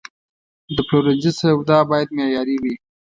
د پلورنځي سودا باید معیاري وي.